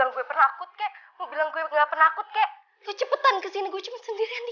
nyala mati sendiri